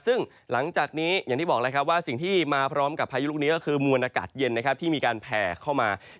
ซึ่งหลังจากนี้อย่างที่บอกแล้วครับว่าสิ่งที่มาพร้อมกับพายุลูกนี้ก็คือมวลอากาศเย็นนะครับที่มีการแผ่เข้ามา